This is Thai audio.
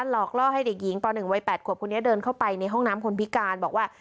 หลอกล่อให้เด็กหญิงป๑วัย๘ขวบคนนี้เดินเข้าไปในห้องน้ำคนพิการบอกว่า